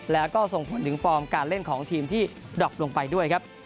แล้วก็ส่งผลถึงฟอร์มการเล่นของทีมที่ดรอปลงไปด้วยครับ